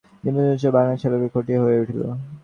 নিস্তব্ধ নিষ্কম্প বাগান ছায়ালোকে খচিত হইয়া উঠিল।